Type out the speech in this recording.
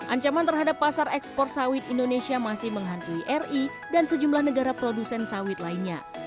ancaman terhadap pasar ekspor sawit indonesia masih menghantui ri dan sejumlah negara produsen sawit lainnya